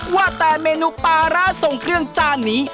ว่าแต่เมนูปลาร้าส่งเครื่องจานนี้